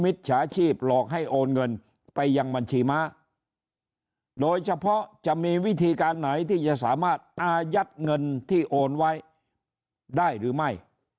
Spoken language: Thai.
จฉาชีพหลอกให้โอนเงินไปยังบัญชีม้าโดยเฉพาะจะมีวิธีการไหนที่จะสามารถอายัดเงินที่โอนไว้ได้หรือไม่